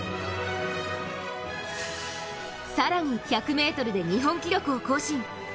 更に、１００ｍで日本記録を更新。